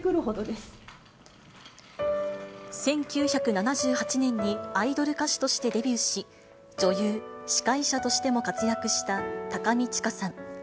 １９７８年にアイドル歌手としてデビューし、女優、司会者としても活躍した高見知佳さん。